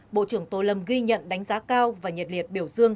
bộ trưởng tô lâm ghi nhận đánh giá cao và nhiệt liệt biểu dương